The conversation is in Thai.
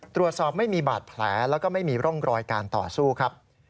ตรวจสอบไม่มีบาดแผลแล้วก็ไม่มีร่องรอยการต่อสู้ครับ